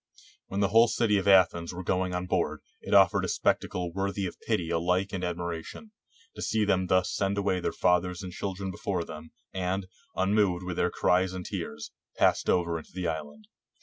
When the whole city of Athens were going on board, it afforded a spectacle worthy of pity alike and admira tion, to see them thus send away their fathers and chil dren before them, and, unmoved with their cries and tears, passed over into the island.